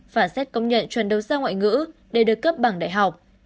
và xét công nhận truyền đấu sang ngoại ngữ để được cấp bằng đại học